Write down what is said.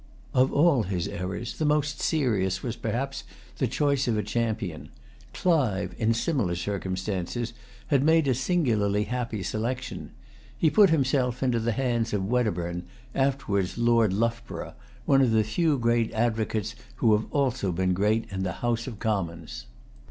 Of all his errors the most serious was perhaps the choice of a champion. Clive, in similar circumstances,[Pg 206] had made a singularly happy selection. He put himself into the hands of Wedderburn, afterwards Lord Loughborough, one of the few great advocates who have also been great in the House of Commons.